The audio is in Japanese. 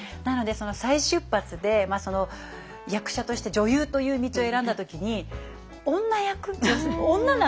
なのでその再出発で役者として女優という道を選んだ時に女役？